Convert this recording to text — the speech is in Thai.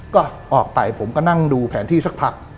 ก็ออกไปผมก็นั่งดูแผนที่สักพัก